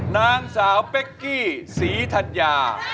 นางสาวเป๊กกี้ศรีธัญญา